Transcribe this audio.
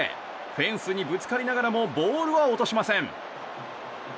フェンスにぶつかりながらもボールは落としません。